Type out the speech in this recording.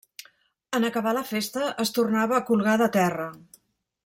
En acabar la festa es tornava a colgar de terra.